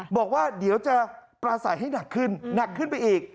บอกว่าเดี๋ยวจะปราศัยให้หนักขึ้นหนักขึ้นไปอีก